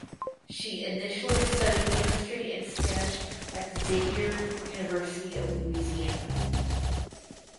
She initially studied chemistry and Spanish at the Xavier University of Louisiana.